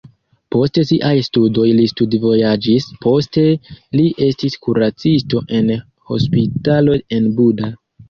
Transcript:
Post siaj studoj li studvojaĝis, poste li estis kuracisto en hospitalo en Buda.